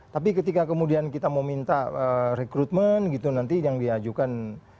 tapi ketika kemudian kita mau minta rekrutmen gitu nanti yang diajukan